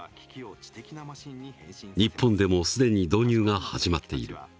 日本でも既に導入が始まっている。